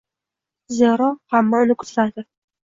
Zero, hamma uni kuzatadi.